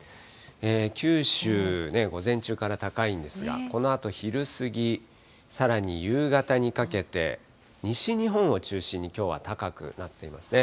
九州、午前中から高いんですが、このあと昼過ぎ、さらに夕方にかけて、西日本を中心に、きょうは高くなっていますね。